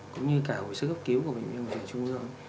cũng như cả hội sức cấp cứu của bệnh viện trung ương